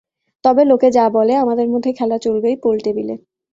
তবে লোকে যা বলে, আমদের মধ্যে খেলা চলবেই পোল টেবিলে।